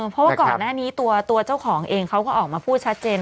เพราะว่าก่อนหน้านี้ตัวเจ้าของเองเขาก็ออกมาพูดชัดเจน